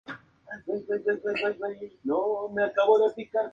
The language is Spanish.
Entonces se tiene un árbol de trozos de información.